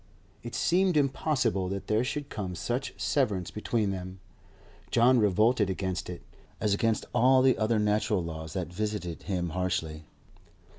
It seemed impossible that there should come such severance between them. John revolted against it, as against all the other natural laws that visited him harshly.